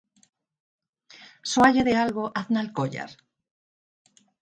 ¿Sóalle de algo Aznalcóllar?